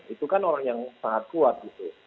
itu kan orang yang sangat kuat gitu